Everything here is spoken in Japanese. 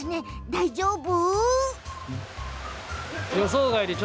大丈夫？